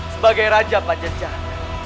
sebagai raja pajajara